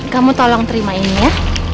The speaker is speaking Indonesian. kamu tolong terima ini ya